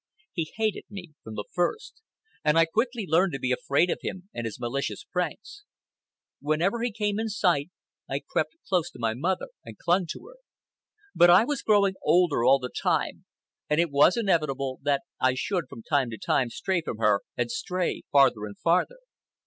He hated me from the first. And I quickly learned to be afraid of him and his malicious pranks. Whenever he came in sight I crept close to my mother and clung to her. But I was growing older all the time, and it was inevitable that I should from time to time stray from her, and stray farther and farther.